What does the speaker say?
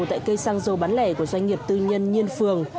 tại cây xăng dầu bán lẻ của doanh nghiệp tư nhân nhiên phường